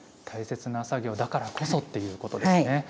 大切な作業だからこそっていうことですね。